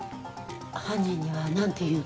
犯人には何て言うの？